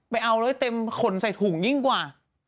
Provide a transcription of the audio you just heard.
เอาไว้เอาเลยเต็มขนใส่ถุงยิ่งกว่า